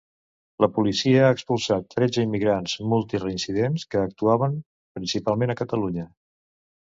La policia ha expulsat tretze immigrants multireincidents que actuaven principalment a Catalunya.